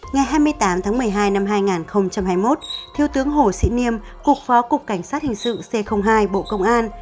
ngày hai mươi tám tháng một mươi hai năm hai nghìn hai mươi một thiếu tướng hồ sĩ niêm phó cục cảnh sát hình sự c hai bộ công an